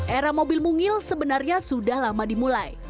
era mobil mungil sebenarnya sudah lama dimulai